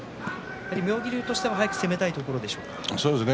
妙義龍としては速く攻めたいところですね。